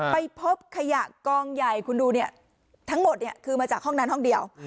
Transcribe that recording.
ไปพบขยะกองใหญ่คุณดูเนี่ยทั้งหมดเนี่ยคือมาจากห้องนั้นห้องเดียว